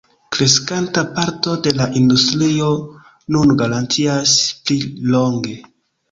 Kreskanta parto de la industrio nun garantias pli longe.